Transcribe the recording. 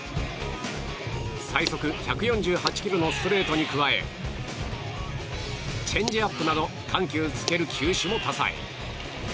最速１４８キロのストレートに加えチェンジアップなど緩急つける球種も多彩。